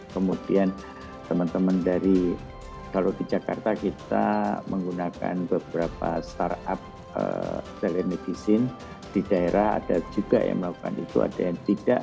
kemudian teman teman dari kalau di jakarta kita menggunakan beberapa startup telemedicine di daerah ada juga yang melakukan itu ada yang tidak